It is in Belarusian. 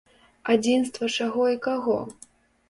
Адзінства чаго і каго?